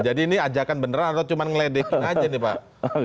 jadi ini ajakan benar atau cuma ngeledekin aja nih pak